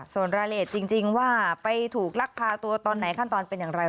ส่วนรายละเอียดจริงว่าไปถูกลักพาตัวตอนไหนขั้นตอนเป็นอย่างไร